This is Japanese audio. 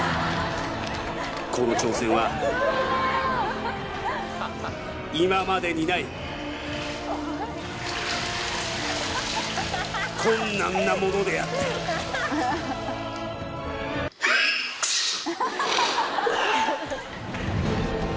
この挑戦は今までにない困難なものであったハックシュン！